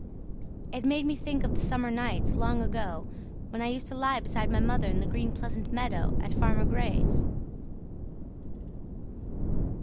It made me think of the summer nights long ago, when I used to lie beside my mother in the green pleasant meadow at Farmer Grey's.